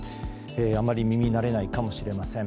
あまり耳慣れないかもしれません。